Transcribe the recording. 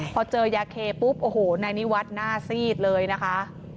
พอเจอยาเคปุ๊บโอ้โหนายนิวัฒน์หน้าซีดเลยนะคะ